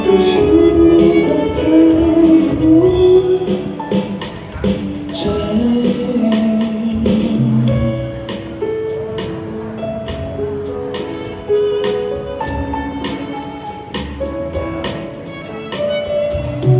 ก็ช่วยให้เธออยู่ในใจ